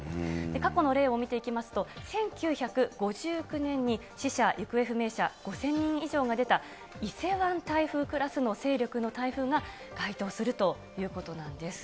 過去の例を見ていきますと、１９５９年に死者・行方不明者５０００人以上が出た伊勢湾台風クラスの勢力の台風が該当するということなんです。